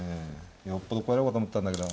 よっぽどこうやろうかと思ったんだけど。